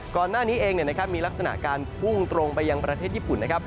ก่อนหน้านี้เองมีลักษณะการพุ่งตรงไปยังประเทศญี่ปุ่นนะครับ